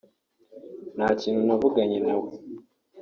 “Nta kintu navuganye na we